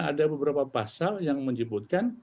ada beberapa pasal yang menyebutkan